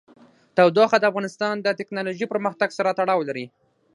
تودوخه د افغانستان د تکنالوژۍ پرمختګ سره تړاو لري.